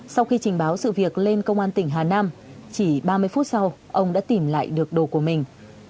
sau khi trình báo sự việc lên công an tỉnh hà nam chỉ ba mươi phút sau ông đã tìm lại được đồ của mình